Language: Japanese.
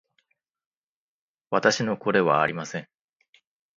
私の子ではありません